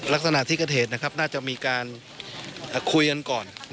ลักษณะที่เกิดเหตุนะครับน่าจะมีการคุยกันก่อน